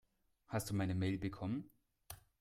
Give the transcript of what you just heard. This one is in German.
Hast du meine Mail bekommen?